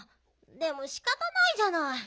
でもしかたないじゃない。